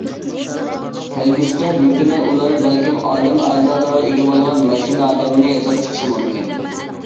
كەلگۈسىدە بىر كۈنى ئۇلار بەلكىم ئادەمنىڭ ئەزالىرىغا ئىگە بولغان ماشىنا ئادەمنى ياساپ چىقىشى مۇمكىن.